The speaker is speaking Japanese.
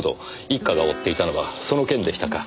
一課が追っていたのはその件でしたか。